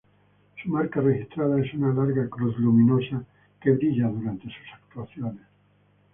Su marca registrada es una larga cruz luminosa que brilla durante sus actuaciones.